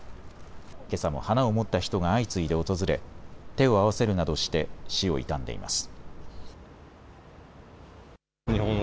けさも花を持った人が相次いで訪れ、手を合わせるなどして死を悼んでいます。